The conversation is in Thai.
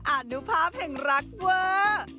อนุภาพแห่งรักเวอร์